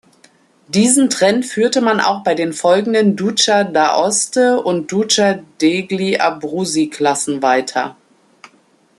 Diesen Trend führte man auch bei den folgenden Duca-d’Aosta- und Duca-degli-Abruzzi-Klassen weiter.